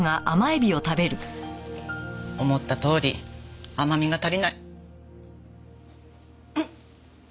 「思ったとおり甘味が足りない」「うっ！」